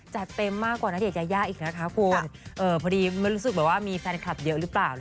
จัดเต็มมากกว่าณเดชนยายาอีกนะคะคุณพอดีไม่รู้สึกแบบว่ามีแฟนคลับเยอะหรือเปล่า